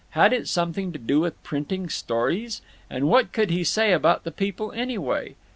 Had it something to do with printing stories? And what could he say about the people, anyway?